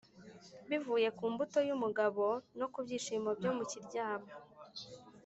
bivuye ku mbuto y’umugabo no ku byishimo byo mu kiryamo.